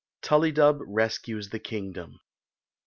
TULLYDUB RESCUES THE KINGDOM.